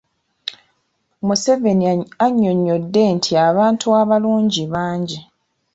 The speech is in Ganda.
Museveni annyonnyodde nti abantu abalungi bangi.